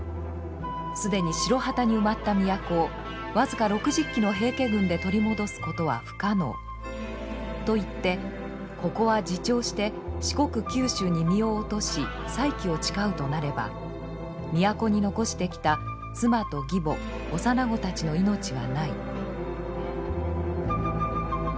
既に白旗に埋まった都を僅か６０騎の平家軍で取り戻すことは不可能。といってここは自重して四国九州に身を落とし再起を誓うとなれば都に残してきた妻と義母幼子たちの命はない。